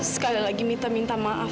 sekali lagi minta minta maaf